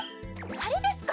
はれですか？